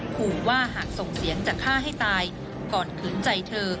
ขู่ว่าหากส่งเสียงจะฆ่าให้ตายก่อนขืนใจเธอ